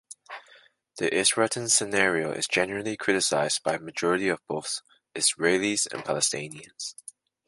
The Isratin scenario is generally criticized by a majority of both Israelis and Palestinians.